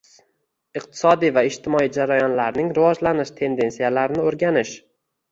iqtisodiy va ijtimoiy jarayonlarning rivojlanish tendensiyalarini o`rganish